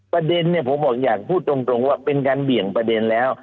ประเด็นเนี่ยผมบอกอยากพูดตรงว่าเป็นการเบี่ยงประเด็นแล้ว